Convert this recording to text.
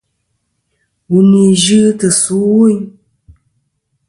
Wù n-yɨ tɨ̀ sù ɨwu.